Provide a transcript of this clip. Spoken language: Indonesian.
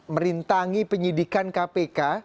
merintangi penyidikan kpk